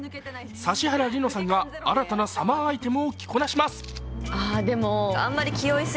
指原莉乃さんが新たなサマーアイテムを着こなします。